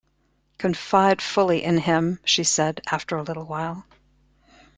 "Confide fully in him," she said after a little while.